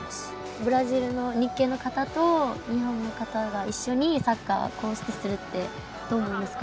ブラジルの日系の方と日本の方が一緒にサッカーをこうしてするってどうなんですか？